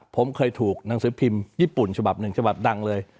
ผมเคยถูกหนังสือพิมพ์ญี่ปุ่นฉบับหนึ่งฉบับดังเลย